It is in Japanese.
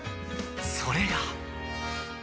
それが